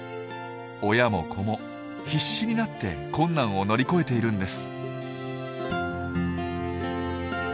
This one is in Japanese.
親も子も必死になって困難を乗り越えているんです。